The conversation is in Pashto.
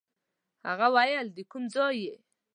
هغه ویل د کوم ځای یې.